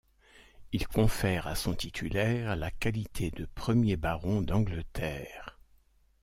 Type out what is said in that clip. Il confère à son titulaire la qualité de premier baron d'Angleterre.